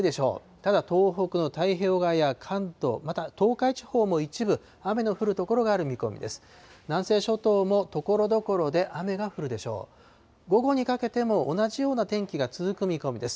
ただ東北の太平洋側や関東、また東海地方も一部雨の降る所がある見込みです。